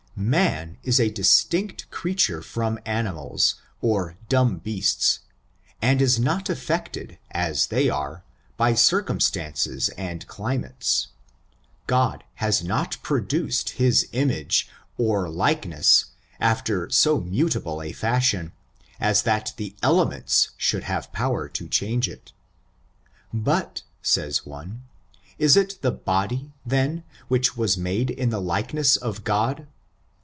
Man is a distinct creature from animals, or dumb beasts, nnd is not affected, as they are, by circumstances 3 —^^^^^^^^^^>^^^^^^^^ 60 ORIGIN, CHARACTER, AND and climates ; God has not produced his image^ or likeness, after so mutable a fashion, as that the el* ements should have power to change it. But, says one, is it the body, then, which was made in the like ness of Grod